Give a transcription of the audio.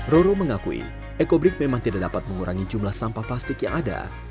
roro mengakui ekobrik memang tidak dapat mengurangi jumlah sampah plastik yang ada